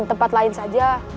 di tempat lain saja